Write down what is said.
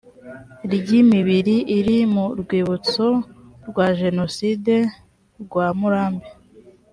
ry imibiri iri mu rwibutso rwa jenoside rwa murambi